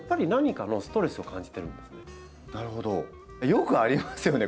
よくありますよね